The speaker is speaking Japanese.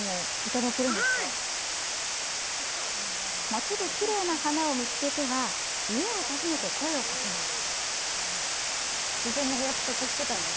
町できれいな花を見つけては、家を訪ねて声をかけます。